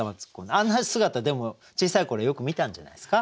あんな姿でも小さい頃よく見たんじゃないですか？